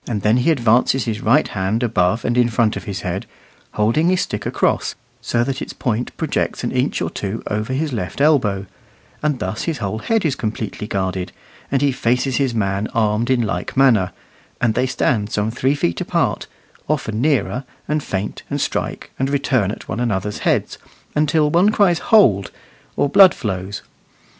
Then he advances his right hand above and in front of his head, holding his stick across, so that its point projects an inch or two over his left elbow; and thus his whole head is completely guarded, and he faces his man armed in like manner; and they stand some three feet apart, often nearer, and feint, and strike, and return at one another's heads, until one cries "hold," or blood flows.